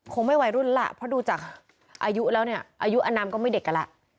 คงไม่วัยรุ่นล่ะเพราะดูจากอายุแล้วเนี่ยอายุอนามก็ไม่เด็กกันแล้ว